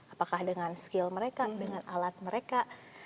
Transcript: apakah dengan skill mereka dengan alat mereka